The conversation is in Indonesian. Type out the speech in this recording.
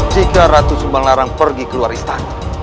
jika ratu subang larang pergi ke luar istana